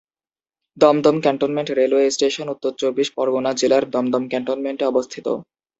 Dumdum cantonment railway station উত্তর চব্বিশ পরগণা জেলার দমদম ক্যান্টনমেন্টে অবস্থিত।